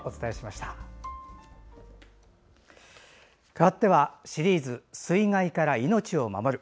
かわってはシリーズ「水害から命を守る」。